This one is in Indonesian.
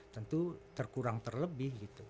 tentu terkurang terlebih gitu